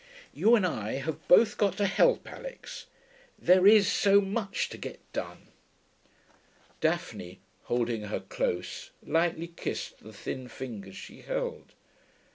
You and I have both got to help, Alix.... There is so much to get done.' Daphne, holding her close, lightly kissed the thin fingers she held.